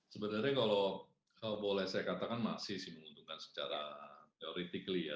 sebenarnya kalau boleh saya katakan masih sih menguntungkan secara teoretically ya